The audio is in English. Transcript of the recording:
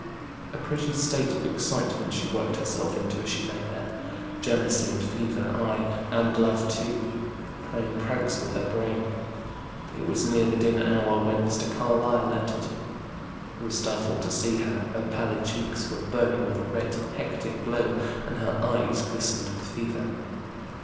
A pretty state of excitement she worked herself into as she lay there, jealousy and fever, ay, and love too, playing pranks with her brain. It was near the dinner hour, and when Mr. Carlyle entered, he was startled to see her; her pallid cheeks were burning with a red hectic glow, and her eyes glistened with fever.